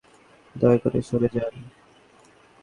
দয়া করে সরে যান।